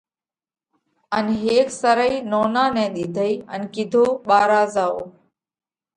ان هيڪ سرئي نونا نئہ ۮِيڌئي ان ڪِيڌو ٻارا زائو